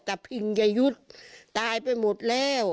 พิงยยุทธ์ตายไปหมดแล้ว